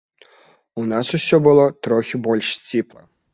У нас усё было трохі больш сціпла.